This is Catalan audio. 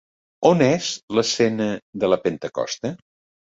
On és l'escena de la Pentecosta?